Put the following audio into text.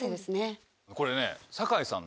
これね。